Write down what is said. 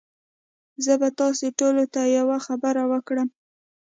زه به تاسي ټوله ته یوه خبره وکړم